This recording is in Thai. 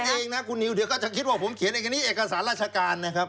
ไม่ได้เขียนเองนะคุณนิวเดี๋ยวก็จะคิดว่าผมเขียนเอกสารราชการนะครับ